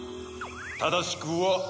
正しくは。